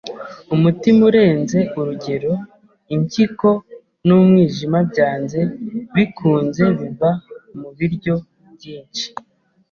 Umutima urenze urugero, impyiko n'umwijima byanze bikunze biva mubiryo byinshi.